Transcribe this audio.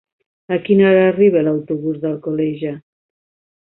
A quina hora arriba l'autobús d'Alcoleja?